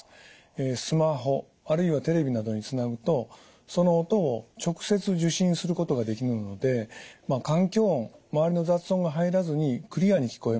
スマホあるいはテレビなどにつなぐとその音を直接受信することができるので環境音周りの雑音が入らずにクリアに聞こえます。